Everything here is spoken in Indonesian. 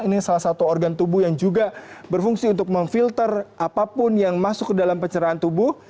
ini salah satu organ tubuh yang juga berfungsi untuk memfilter apapun yang masuk ke dalam pencerahan tubuh